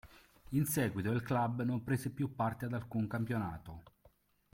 In seguito il club non prese più parte ad alcun campionato.